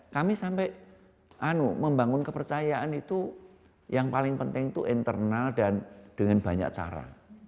kami sampai membangun kepercayaan itu yang paling penting itu internal dan dengan banyak cara